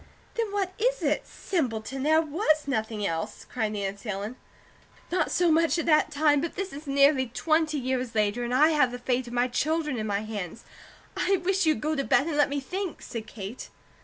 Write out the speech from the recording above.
"Then what is it? Simpleton, there WAS nothing else!" cried Nancy Ellen. "Not so much at that time; but this is nearly twenty years later, and I have the fate of my children in my hands. I wish you'd go to bed and let me think!" said Kate.